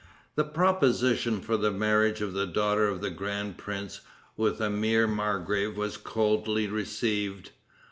The proposition for the marriage of the daughter of the grand prince with a mere margrave was coldly received.